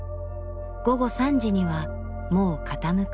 午後３時にはもう傾く。